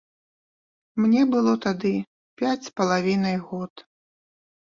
Мне было тады пяць з палавінай год.